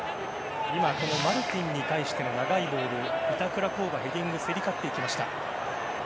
マルティンに対しての長いボールに板倉滉が競り勝っていきました。